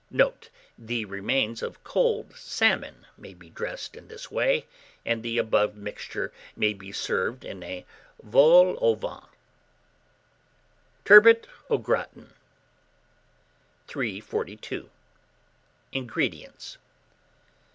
Note. The remains of cold salmon may be dressed in this way, and the above mixture may be served in a vol au vent. TURBOT AU GRATIN. 342. INGREDIENTS.